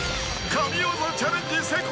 神業チャレンジ成功！